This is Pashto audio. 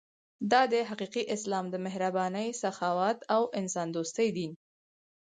دا دی حقیقي اسلام د مهربانۍ، سخاوت او انسان دوستۍ دین.